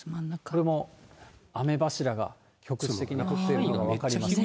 これも雨柱が局地的に降っているのが分かります。